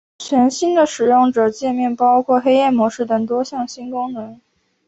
全新的使用者界面包括黑夜模式等多项新功能。